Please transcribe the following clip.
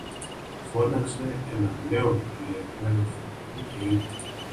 Φώναξε ένα νέον ιερωμένο του Φαναριού και του είπε: